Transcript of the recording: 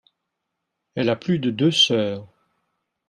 Elle a plus de deux sœurs.